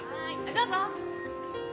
どうぞ。